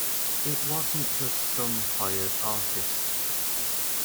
It wasn't just some hired artist.